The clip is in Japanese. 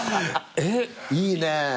いいね。